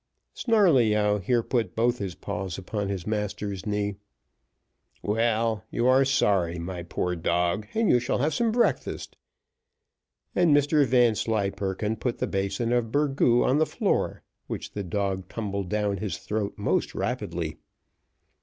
Snarleyyow here put both his paws upon his master's knee. "Well, you are sorry, my poor dog, and you shall have some breakfast;" and Mr Vanslyperken put the basin of burgoo on the floor, which the dog tumbled down his throat most rapidly.